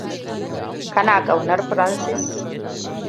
Kana ƙaunar Francis?